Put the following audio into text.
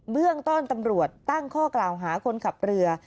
เบื้องต้นตำรวจตั้งข้อกล่าวหาคนขับเรือ